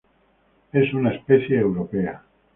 Es una especie europea.